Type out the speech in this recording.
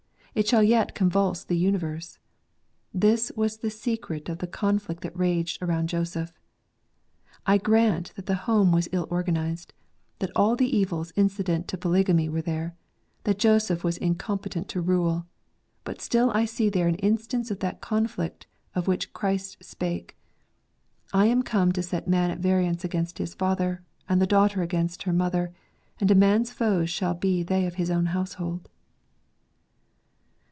It shall yet convulse the universe. This was the secret of the con flict that raged around Joseph. I grant that the home was ill organized; that all the evils incident to polygamy were there; that Jacob was incompetent to rule. But still I see there an instance of that conflict of which Christ spake: "I am come to set a man at variance against his father, and the daughter against her mother; ... and a man's foes shall be they of his own household."